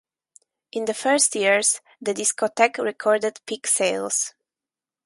In the first years the discotheque recorded peak sales.